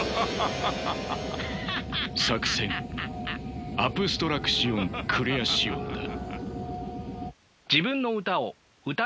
作戦アプストラクシオン・クレアシオンだ。